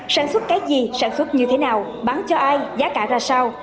sản xuất cái gì sản xuất như thế nào bán cho ai giá cả ra sao